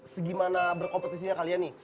segimana berkompetisi kalian nih